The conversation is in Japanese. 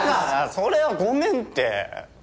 それはごめんって！